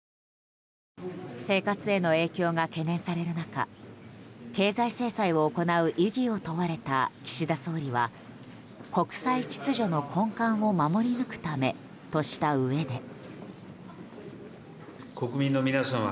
生活への影響が懸念される中経済制裁を行う意義を問われた岸田総理は、国際秩序の根幹を守り抜くためとしたうえで。